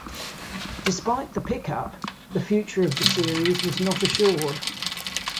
Despite the pickup, the future of the series was not assured.